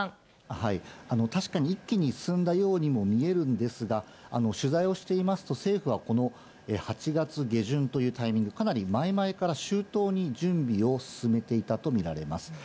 確かに一気に進んだようにも見えるんですが、取材をしていますと、政府はこの８月下旬というタイミング、かなり前々から周到に準備を進めていたと見られます。